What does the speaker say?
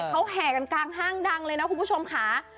เขาแห่กันกลางห้างดังเลยนะคุณผู้ชมค่ะ